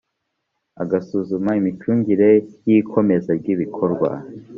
a gusuzuma imicungire y ikomeza ry ibikorwa